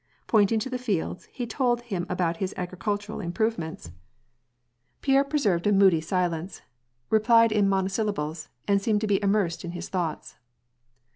Pointing to the fields, he told him about his agricultural im provements. 116 wah and pbacb. Pierre preserved a moody silence, replied in monosyllables, and seemed to be immersed in his thoughts.